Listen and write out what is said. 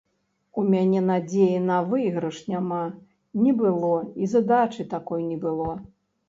У мяне надзеі на выйгрыш няма, не было, і задачы такой не было.